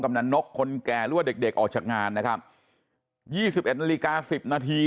กำหนังนกคนแก่รั่วเด็กออกจากงานนะครับ๒๑นาฬิกา๑๐นาที